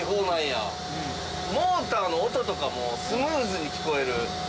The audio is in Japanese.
モーターの音とかもスムーズに聞こえる。